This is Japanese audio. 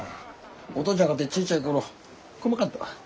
お父ちゃんかてちいちゃい頃こまかったわ。